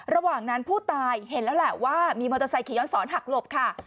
ระหว่างนั้นผู้ตายเห็นแล้วแหละว่ามีมอเตอร์ไซคีย้อนสอนหักหลบค่ะ